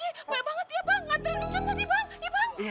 baik banget ya bang antarin encon tadi bang